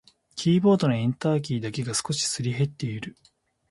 キーボードのエンターキーだけが少しすり減っている。